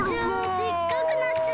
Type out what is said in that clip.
でっかくなっちゃった！